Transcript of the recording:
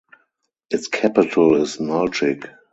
Its capital is Nalchik.